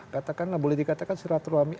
katakanlah boleh dikatakan silaturahmi